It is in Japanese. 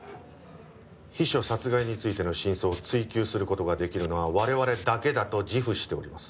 秘書殺害についての真相を追及する事ができるのは我々だけだと自負しております。